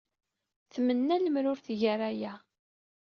Tmenna lemmer ur tgi ara aya.